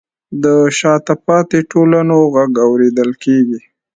د شاته پاتې ټولنو غږ اورېدل کیږي.